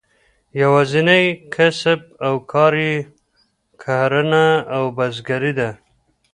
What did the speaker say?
یوازینی کسب او کار یې کرهڼه او بزګري ده.